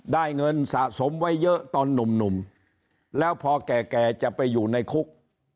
ได้เงินสะสมไว้เยอะตอนหนุ่มแล้วพอแก่จะไปอยู่ในคุก